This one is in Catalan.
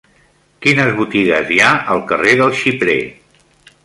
Quines botigues hi ha al carrer del Xiprer?